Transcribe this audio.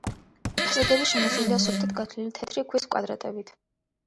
ფასადები შემოსილია სუფთად გათლილი თეთრი ქვის კვადრატებით.